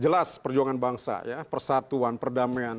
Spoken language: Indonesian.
jelas perjuangan bangsa ya persatuan perdamaian